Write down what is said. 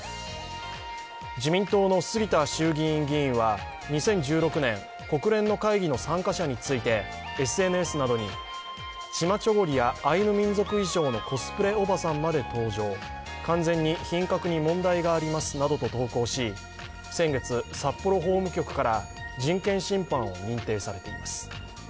自民党の杉田衆議院議員は２０１６年、国連の会議の参加者についてＳＮＳなどにチマチョゴリやアイヌ民族衣装のコスプレおばさんまで登場、完全に品格に問題がありますなどと投稿し先月、札幌法務局から人権侵犯を認定されています。